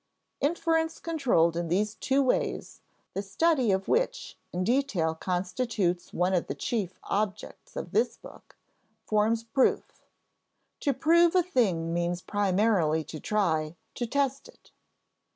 Inference controlled in these two ways (the study of which in detail constitutes one of the chief objects of this book) forms proof. To prove a thing means primarily to try, to test it.